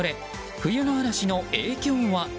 冬の嵐の影響は？